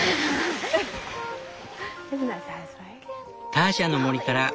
「ターシャの森から」。